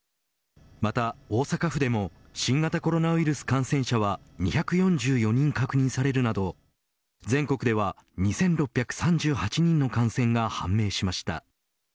また大阪府でも新型コロナウイルス感染者は２４４人確認されるなど全国では２６３８人の感染が判明しました。